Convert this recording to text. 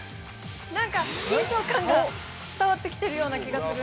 ◆なんか緊張感が伝わってきてるような気がする。